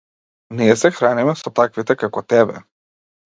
Ние се храниме со таквите како тебе.